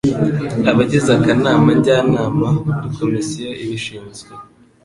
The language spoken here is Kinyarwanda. abagize akanama njyanama muri komisiyo ibishinzwe